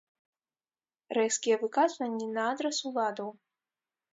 Рэзкія выказванні на адрас уладаў.